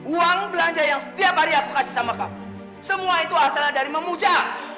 uang belanja yang setiap hari aku kasih sama kamu semua itu asal dari memuja